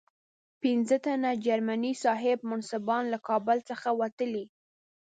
پنځه تنه جرمني صاحب منصبان له کابل څخه وتلي.